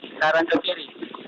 sekarang ke kiri